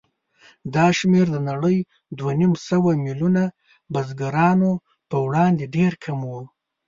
دا شمېر د نړۍ دوهنیمسوه میلیونه بزګرانو په وړاندې ډېر کم و.